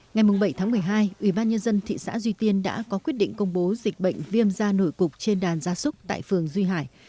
ngày bảy tháng một mươi hai ubnd thị xã duy tiên đã có quyết định công bố dịch bệnh viêm da nổi cục trên đàn gia súc tại phường duy hải